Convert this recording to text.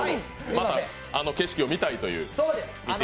景色を見たいという。